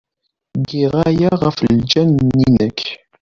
Giɣ aya ɣef lǧal-nnek.